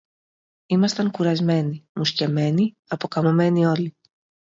Ήμασταν κουρασμένοι, μουσκεμένοι, αποκαμωμένοι όλοι